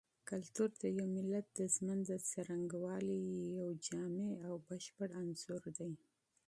فرهنګ د یو ملت د ژوند د څرنګوالي یو جامع او بشپړ انځور دی.